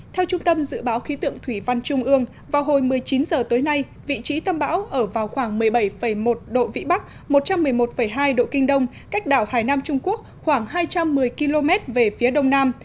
theo trung tâm dự báo khí tượng thủy văn trung ương vào hồi một mươi chín h tối nay vị trí tâm bão ở vào khoảng một mươi bảy một độ vĩ bắc một trăm một mươi một hai độ kinh đông cách đảo hải nam trung quốc khoảng hai trăm một mươi km về phía đông nam